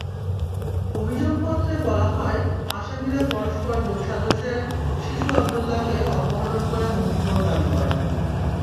অভিযোগপত্রে বলা হয়, আসামিরা পরস্পর যোগসাজশে শিশু আবদুল্লাহকে অপহরণ করে মুক্তিপণ দাবি করেন।